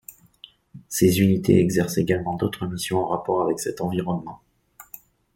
Ces unités exercent également d'autres missions en rapport avec cet environnement.